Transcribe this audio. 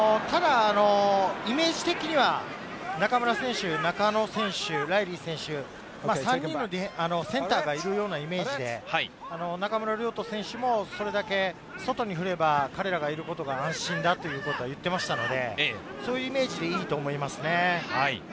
イメージ的には中村選手、中野選手、ライリー選手、３人のセンターがいるようなイメージで、中村亮土選手もそれだけ外に振れば彼らがいることが安心だということを言っていましたので、そういうイメージでいいと思いますね。